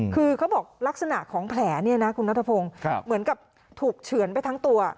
คือเขาบอกลักษณะของแผลเนี่ยนะคุณนัทพงศ์เหมือนกับถูกเฉือนไปทั้งตัว